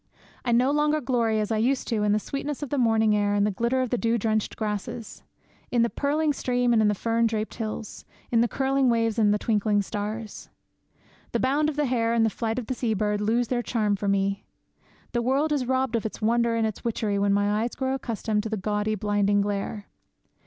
I no longer glory, as I used to do, in the sweetness of the morning air and the glitter of the dew drenched grass; in the purling stream and the fern draped hills; in the curling waves and the twinkling stars. The bound of the hare and the flight of the sea bird lose their charm for me. The world is robbed of its wonder and its witchery when my eyes grow accustomed to the gaudy blinding glare.